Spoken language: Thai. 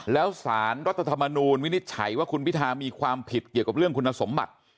แล้วสารรัฐธรรมนูลวินิจฉัยว่าคุณพิธามีความผิดเกี่ยวกับเรื่องคุณสมบัติ